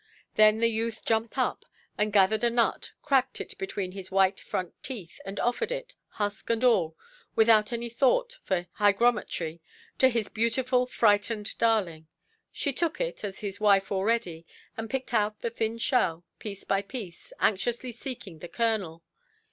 Then the youth jumped up, and gathered a nut, cracked it between his white front teeth, and offered it, husk and all, without any thought of hygrometry, to his beautiful frightened darling. She took it, as if his wife already, and picked out the thin shell, piece by piece, anxiously seeking the kernel.